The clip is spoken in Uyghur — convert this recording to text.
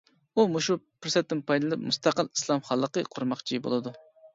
ئۇ مۇشۇ پۇرسەتتىن پايدىلىنىپ مۇستەقىل ئىسلام خانلىقى قۇرماقچى بولىدۇ.